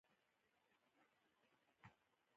مچمچۍ د ګل شات خوښوي